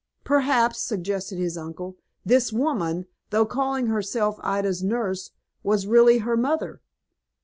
"Perhaps," suggested his uncle, "this woman, though calling herself Ida's nurse, was really her mother."